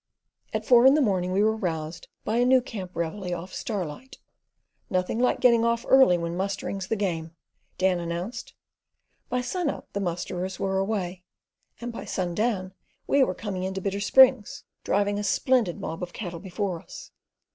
At four in the morning we were roused by a new camp reveille of Star light. "Nothing like getting off early when mustering's the game," Dan announced. By sun up the musterers were away, and by sundown we were coming in to Bitter Springs, driving a splendid mob of cattle before us.